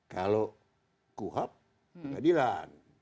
kalau kuap keadilan